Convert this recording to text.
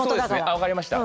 分かりました。